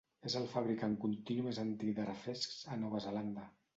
És el fabricant continu més antic de refrescs a Nova Zelanda.